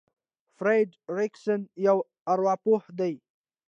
فرېډ ريکسن يو ارواپوه دی.